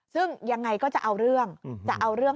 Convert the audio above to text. ซึ่งยังไงก็จะเอาเรื่อง